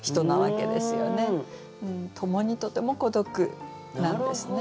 共にとても孤独なんですね。